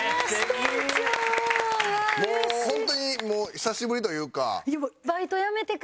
ホントにもう久しぶりというか。